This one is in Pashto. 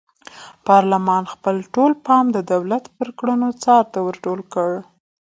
پارلمان خپل ټول پام د دولت پر کړنو څار ته ور ټول کړ.